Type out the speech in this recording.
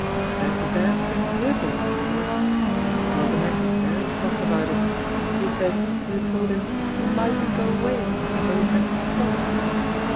There's the bear skin prayer book, if you like. Waldenech is very cross about it. He says you told him he mightn't go away, so he has to stop.